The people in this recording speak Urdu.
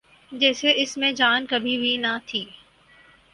جیسے اس میں جان کبھی بھی نہ تھی۔